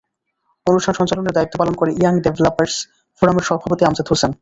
অনুষ্ঠান সঞ্চালনের দায়িত্ব পালন করেন ইয়াং ডেভেলপারস ফোরামের সভাপতি আমজাদ হোসেন।